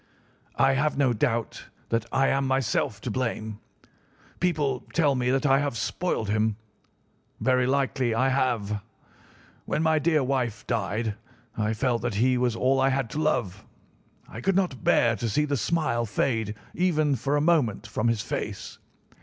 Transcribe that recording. I have no doubt that I am myself to blame. People tell me that I have spoiled him. Very likely I have. When my dear wife died I felt that he was all I had to love. I could not bear to see the smile fade even for a moment from his face.